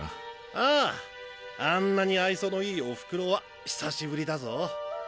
あああんなに愛想のいいお袋は久しぶりだぞ。